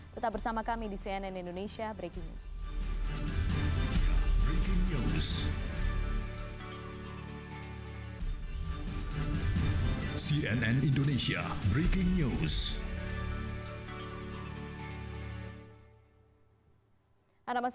tetap bersama kami di cnn indonesia breaking news